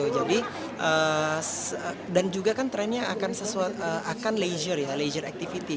jadi dan juga kan trennya akan leisure ya leisure activity